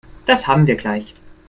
Das haben wir gleich.